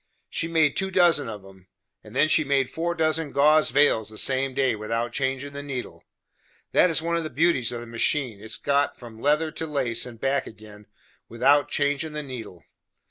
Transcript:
She made two dozen of 'em, and then she made four dozen gauze veils the same day, without changin' the needle. That is one of the beauties of the machine, its goin' from leather to lace, and back again, without changin' the needle.